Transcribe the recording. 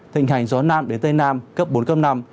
thịnh hành gió nam đến tây nam cấp bốn cấp năm